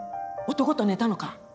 男と寝たのか？